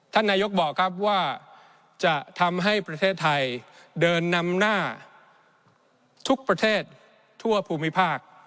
นายกบอกครับว่าจะทำให้ประเทศไทยเดินนำหน้าทุกประเทศทั่วภูมิภาค